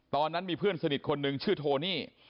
ตอนนั้นมีเพื่อนสนิทคนหนึ่งชื่อโทนี่